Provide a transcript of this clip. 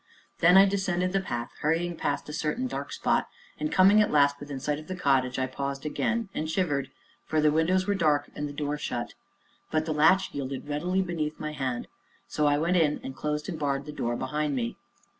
Then I descended the path, hurrying past a certain dark spot. And, coming at last within sight of the cottage, I paused again, and shivered again, for the windows were dark and the door shut. But the latch yielded readily beneath my hand, so I went in, and closed and barred the door behind me.